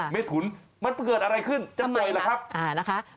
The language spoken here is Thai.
เมทุนมันเกิดอะไรขึ้นจะไหนล่ะครับ